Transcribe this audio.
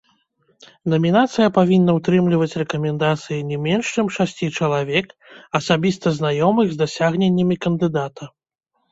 Намінацыя павінна ўтрымліваць рэкамендацыі не менш чым шасці чалавек, асабіста знаёмых з дасягненнямі кандыдата.